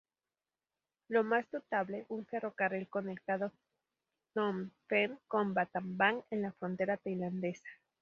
Lo más notable, un ferrocarril conectado Phnom Penh con Battambang en la frontera tailandesa.